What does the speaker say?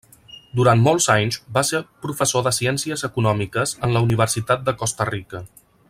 Durant molts anys va ser professor de Ciències Econòmiques en la Universitat de Costa Rica.